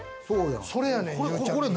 それやねん、ゆうちゃみ。